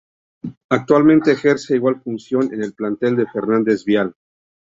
Actualmente ejerce igual función en el plantel de Fernández Vial.